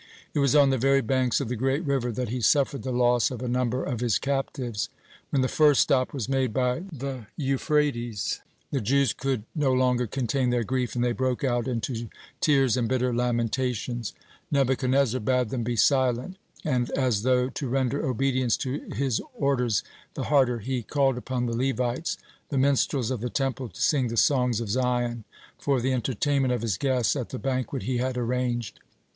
It was on the very banks of the great river that he suffered the loss of a number of his captives. When the first stop was made by the Euphrates, the Jews could no longer contain their grief, and they broke out into tears and bitter lamentations. Nebuchadnezzar bade them be silent, and as though to render obedience to his orders the harder, he called upon the Levites, the minstrels of the Temple to sing the songs of Zion for the entertainment of his guests at the banquet he had arranged.